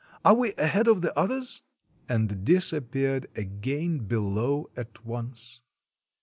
Are we ahead of the others?" and disappeared again below at once.